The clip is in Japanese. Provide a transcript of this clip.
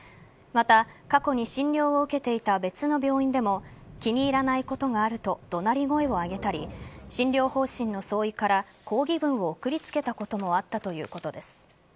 また、過去に診療を受けていた別の病院でも気に入らないことがあると怒鳴り声を上げたり診療方針の相違から抗議文を送りつけたこともあったということです。